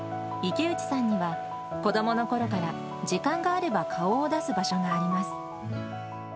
池内さんには、子どものころから、時間があれば顔を出す場所があります。